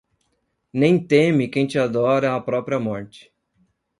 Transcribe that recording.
Nem teme, quem te adora, à própria morte